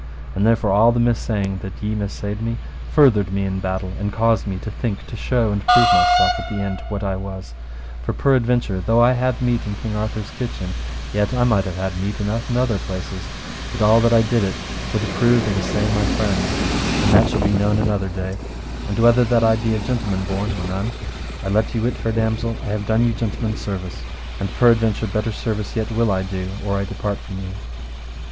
And therefore all the missaying that ye missaid me furthered me in my battle, and caused me to think to show and prove myself at the end what I was; for peradventure though I had meat in King Arthur's kitchen, yet I might have had meat enough in other places, but all that I did it for to prove and assay my friends, and that shall be known another day; and whether that I be a gentleman born or none, I let you wit, fair damosel, I have done you gentleman's service, and peradventure better service yet will I do or I depart from you.